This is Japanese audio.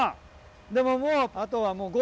でももうあとは。